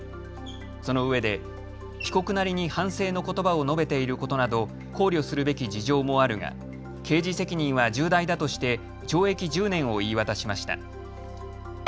そのうえで被告なりに反省のことばを述べていることなど考慮するべき事情もあるが刑事責任は重大だとして懲役１０年を言い渡しました。